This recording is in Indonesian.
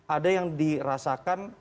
ada yang dirasakan